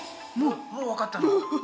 もう分かったの？